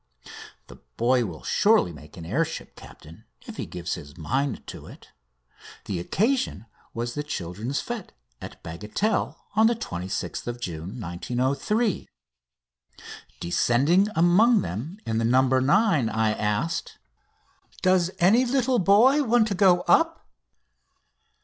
The boy will surely make an air ship captain if he gives his mind to it. The occasion was the children's fête at Bagatelle 26th June 1903. Descending among them in the "No. 9," I asked: "Does any little boy want to go up?"